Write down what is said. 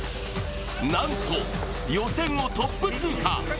なんと予選をトップ通過。